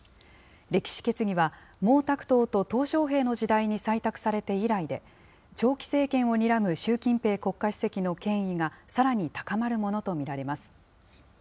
歴史決議は毛沢東ととう小平の時代に採択されて以来で、長期政権をにらむ習近平国家主席の権威がさらに高まるものと見られます。